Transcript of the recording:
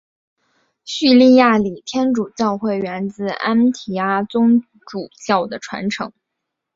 叙利亚礼天主教会源自安提阿宗主教的传承。